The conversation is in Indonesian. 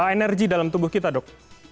energi dalam tubuh kita dok